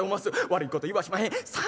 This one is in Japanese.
悪いこと言わしまへん。